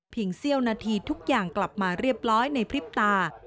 เสี้ยวนาทีทุกอย่างกลับมาเรียบร้อยในพริบตา